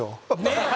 ねえ。